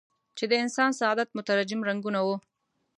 چې د انسان سعادت مترجم رنګونه وو.